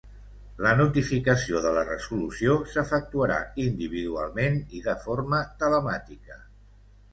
La notificació de la resolució s'efectuarà individualment i de forma telemàtica.